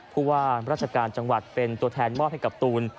ผู้ว่าราชการจังหวัดเป็นตัวแทนมอบให้กับตูน